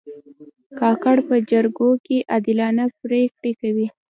کاکړ په جرګو کې عادلانه پرېکړې کوي.